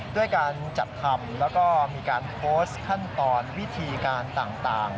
ด้วยการจัดทำแล้วก็มีการโพสต์ขั้นตอนวิธีการต่าง